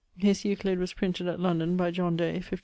His Euclid was printed at London by John Day, 1570.